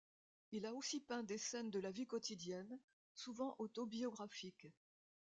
Il a aussi peint des scènes de la vie quotidienne, souvent autobiographiques.